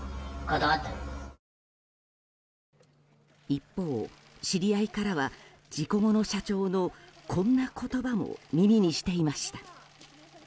一方、知り合いからは事故後の社長のこんな言葉も耳にしていました。